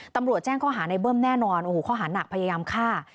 ตำรวจแจ้งข้อหาในเบิ้มแน่นอนโอ้โหข้อหาหนักพยายามฆ่า